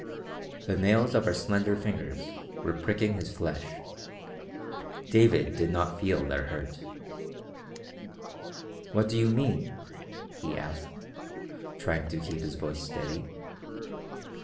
The nails of her slender fingers were pricking his flesh. David did not feel their hurt. "What do you mean?" he asked, trying to keep his voice steady.